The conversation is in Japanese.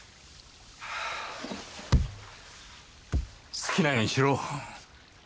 好きなようにしろ！